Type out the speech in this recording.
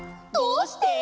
「どうして？」